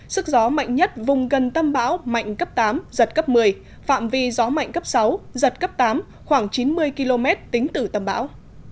sức gió mạnh nhất vùng gần tâm bão mạnh cấp tám giật cấp một mươi phạm vi gió mạnh cấp sáu giật cấp tám khoảng chín mươi km tính từ tâm bão